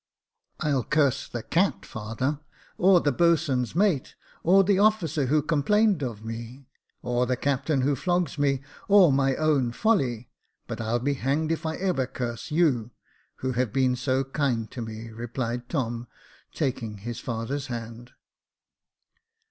I'll curse the cat, father, or the boatswain's mate, or the officer who complained of me, or the captain who flogs me, or my own folly, but I'll be hanged if ever I curse you, who have been so kind to me," replied Tom, taking his father's hand.